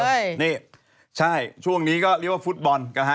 ใช่นี่ใช่ช่วงนี้ก็เรียกว่าฟุตบอลนะฮะ